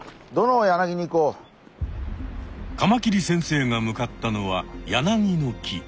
カマキリ先生が向かったのはヤナギの木。